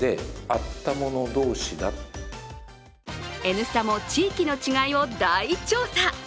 「Ｎスタ」も地域の違いを大調査。